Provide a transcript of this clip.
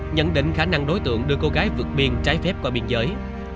nhận định khả năng đối tượng đưa cô gái vượt biên trái phép qua biên giới